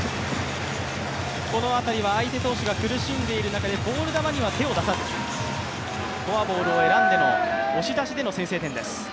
この辺りは相手投手が苦しんでいる中でボール球には手を出さず、フォアボールを選んでの押し出しでの先制点です。